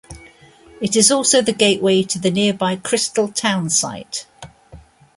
It is also the gateway to the nearby Crystal townsite.